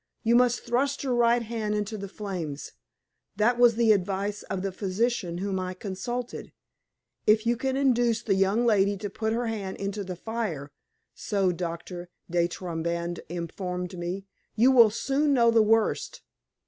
You must thrust your right hand into the flames; that was the advice of the physician whom I consulted. 'If you can induce the young lady to put her hand in the fire,' so Doctor De Trobriand informed me, 'you will soon know the worst.